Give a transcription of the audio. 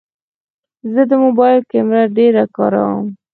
زه د موبایل کیمره ډېره کاروم.